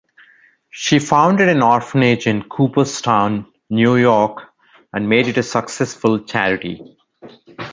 She founded an orphanage in Cooperstown, New York and made it a successful charity.